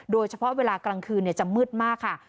โดยเฉพาะเวลากลางคืนจะมืดมากค่ะ